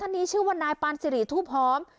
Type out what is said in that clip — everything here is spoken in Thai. ท่านนี้ชื่อวันนายปาณสิริถูพฮอม